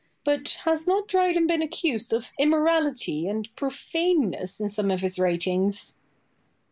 But has not Dryden been accused of immorality and profaneness in some of his writings?